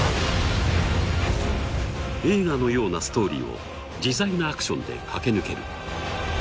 映画のようなストーリーを自在なアクションで駆け抜ける